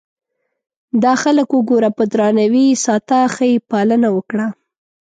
دا خلک وګوره په درناوي یې ساته ښه یې پالنه وکړه.